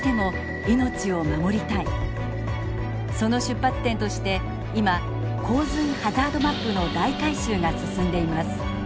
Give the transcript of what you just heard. その出発点として今洪水ハザードマップの大改修が進んでいます。